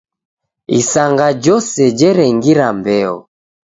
Isanga jose jerengira mbeo.